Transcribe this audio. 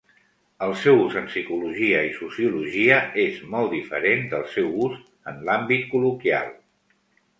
El seu ús en psicologia i sociologia és molt diferent del seu ús en l'àmbit col·loquial.